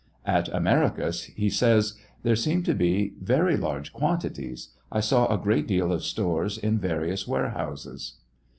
At Americus, he says : There seemed to be very large quantities. I saw a great deal of stores in various ware houses.